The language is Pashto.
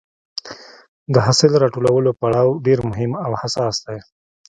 د حاصل راټولولو پړاو ډېر مهم او حساس دی.